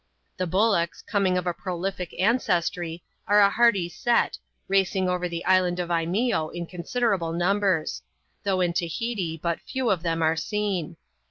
The bullocks, coming of a prolific ancestry, are a hearty set, racing over the island of Imeeo in considerable numbers; though in Tahiti but few of them are seen.